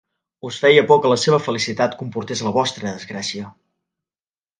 Us feia por que la seva felicitat comportés la vostra desgràcia.